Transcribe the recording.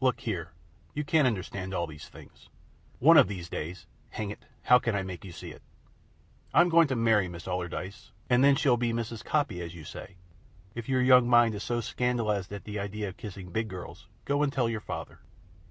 Look here, you can't understand all these things. One of these days hang it, how can I make you see it! I'm going to marry Miss Allardyce, and then she'll be Mrs. Coppy, as you say. If your young mind is so scandalized at the idea of kissing big girls, go and tell your father."